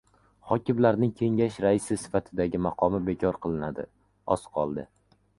Hokimlarning Kengash raisi sifatidagi maqomi bekor qilinadi. Oz qoldi